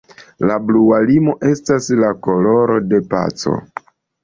La blua limo estas la koloro de paco.